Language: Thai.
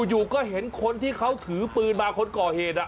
อยู่ก็เห็นคนที่เขาถือปืนมาคนก่อเหตุ